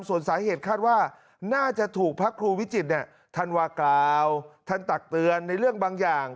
ส่วนสาเหตุคาดว่าน่าจะถูกพระครูวิจิตท่านว่ากล่าวท่านตักเตือนในเรื่องบางอย่าง